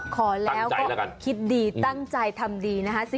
ขอแล้วก็คิดดีตั้งใจทำดีนะคะ